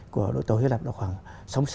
của đội tàu hy lạp là khoảng